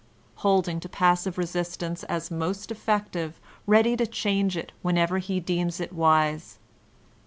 Holding to passive resist ance as most effective, ready to change it whenever he deems it wise.